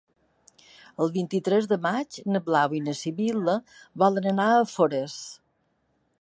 El vint-i-tres de maig na Blau i na Sibil·la volen anar a Forès.